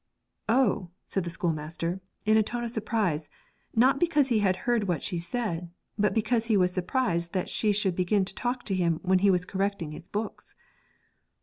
'Oh!' said the schoolmaster, in a tone of surprise, not because he had heard what she said, but because he was surprised that she should begin to talk to him when he was correcting his books.